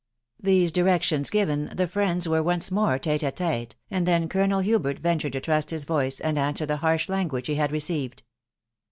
These directions given, the friends were once more t$te a tete, and then Colonel Hubert ventured to trust his voice, and answer the harsh language he had received.